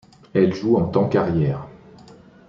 Elle joue en tant que arrière.